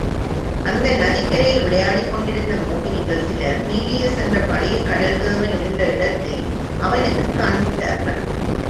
அந்த நதிக்கரையில் விளையாடிக்கொண்டிருந்த மோகினிகள் சிலர் நீரியஸ் என்ற பழைய கடல் தேவன் இருந்த இடத்தை அவனுக்குக் காண்பித்தார்கள்.